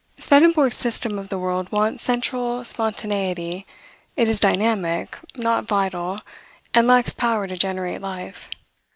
Swedenborg's system of the world wants central spontaneity; it is dynamic, not vital, and lacks power to generate life.